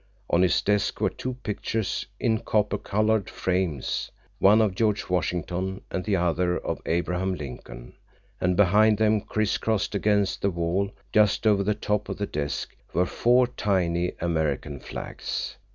On his desk were two pictures in copper colored frames, one of George Washington and the other of Abraham Lincoln, and behind them crisscrossed against the wall just over the top of the desk, were four tiny American flags.